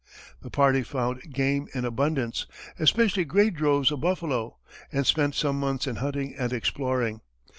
The party found game in abundance, especially great droves of buffalo, and spent some months in hunting and exploring.